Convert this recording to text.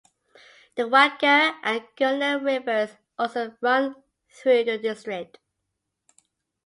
The Waghur and Girna Rivers also run through the district.